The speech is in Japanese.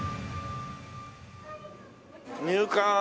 入館！